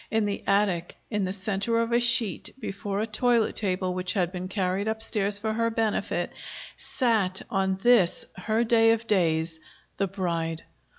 In the attic, in the center of a sheet, before a toilet table which had been carried upstairs for her benefit, sat, on this her day of days, the bride.